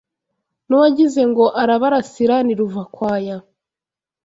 N, uwagize ngo arabarasira ni Ruvakwaya